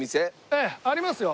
ええありますよ。